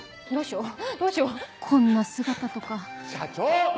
どうしようどうしようこんな姿とか